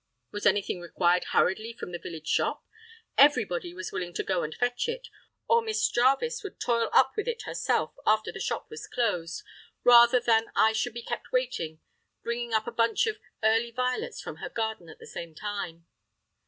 Was anything required hurriedly from the village shop? Everybody was willing to go and fetch it, or Miss Jarvis would toil up with it herself, after the shop was closed, rather than I should be kept waiting, bringing up a bunch of early violets from her garden at the same time.